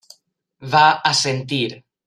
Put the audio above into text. Va assentir.